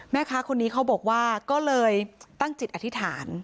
แม่ค้าคนนี้เขาบอกว่าก็เลยตั้งจิตอธิษฐาน